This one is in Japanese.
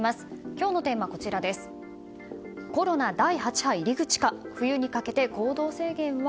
今日のテーマはコロナ第８波入り口か冬にかけて行動制限は？